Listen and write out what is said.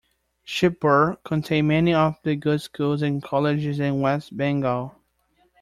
Shibpur contain many of the good schools and colleges in West Bengal.